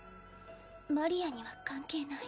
マリアには関係ない